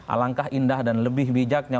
alangkah indah dan lebih bijaknya